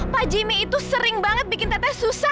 pak jimmy itu sering banget bikin teteh susah